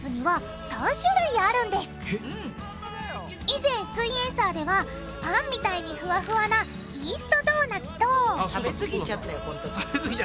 以前「すイエんサー」ではパンみたいにふわふわなイーストドーナツと食べ過ぎちゃったよ